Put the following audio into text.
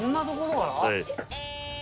はい。